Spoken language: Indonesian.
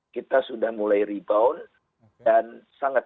kita sudah mulai rebound dan sangat